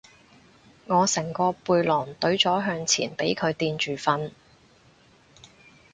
我成個背囊隊咗向前俾佢墊住瞓